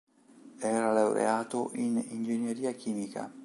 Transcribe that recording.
Era laureato in ingegneria chimica.